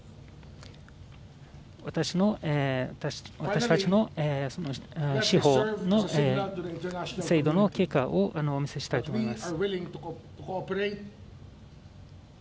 私たちの司法の制度の結果をお見せしたいと思います。